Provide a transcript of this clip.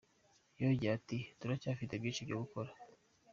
Yongeyeho ati “Turacyafite byinshi byo gukora.